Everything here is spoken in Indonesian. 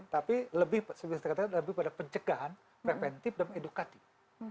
tapi lebih pada pencegahan preventif dan edukatif